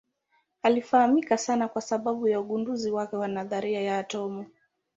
Anafahamika sana kwa sababu ya ugunduzi wake wa nadharia ya atomu.